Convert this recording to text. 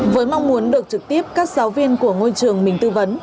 với mong muốn được trực tiếp các giáo viên của ngôi trường mình tư vấn